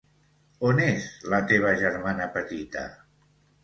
On és la teva germana petita?